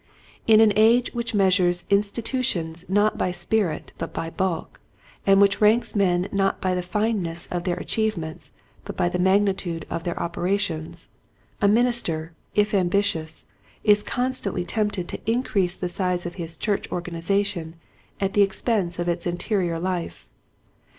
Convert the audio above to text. In an age which measures institutions not by spirit but by bulk, and which ranks men not by the fineness of their achieve ments but by the magnitude of their opera tions, a minister, if ambitious, is constantly tempted to increase the size of his church organization at the expense of its interior life.